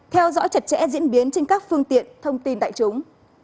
hai theo dõi chặt chẽ diễn